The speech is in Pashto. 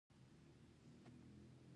ایا ستاسو انرژي به پوره نه شي؟